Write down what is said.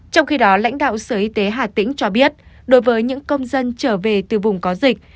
trong khi đó lãnh đạo sở y tế hà tĩnh cho biết đối với những công dân trở về từ vùng có dịch